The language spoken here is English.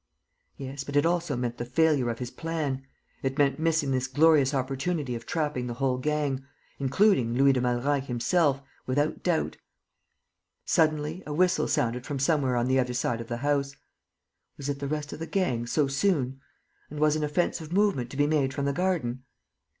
Yes, but it also meant the failure of his plan; it meant missing this glorious opportunity of trapping the whole gang, including Louis de Malreich himself, without doubt. Suddenly a whistle sounded from somewhere on the other side of the house. Was it the rest of the gang, so soon? And was an offensive movement to be made from the garden?